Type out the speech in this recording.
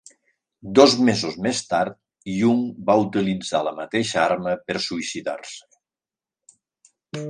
Dos mesos més tard, Young va utilitzar la mateixa arma per suïcidar-se.